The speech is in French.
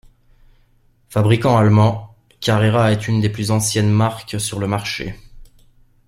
Fabricant allemand, Carrera est une des plus anciennes marques sur le marché.